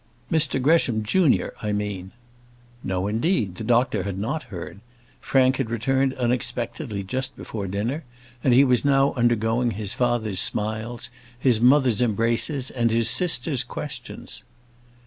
"Mr Gresham, junior, I mean." No, indeed; the doctor had not heard. Frank had returned unexpectedly just before dinner, and he was now undergoing his father's smiles, his mother's embraces, and his sisters' questions.